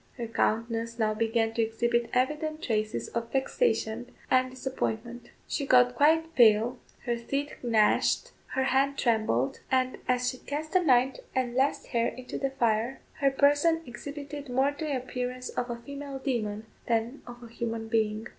Her countenance now began to exhibit evident traces of vexation and disappointment. She got quite pale, her teeth gnashed, her hand trembled, and as she cast the ninth and last hair into the fire, her person exhibited more the appearance of a female demon than of a human being.